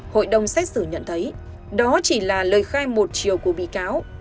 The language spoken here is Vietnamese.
hội đồng xét xử nhận thấy đó chỉ là lời khai một chiều của bị cáo